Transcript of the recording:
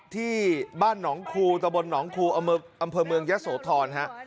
ที่บ้านหนองคูตะบลหนองคูอำเภอเมืองยะโสธรฮะ